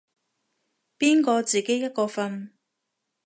邊個自己一個瞓